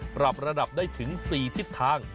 ปรับระดับได้ถึง๔ทิศทาง